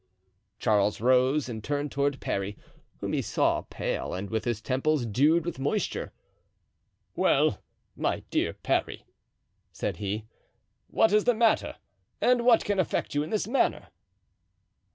Charles rose and turned toward Parry, whom he saw pale and with his temples dewed with moisture. "Well, my dear Parry," said he, "what is the matter, and what can affect you in this manner?"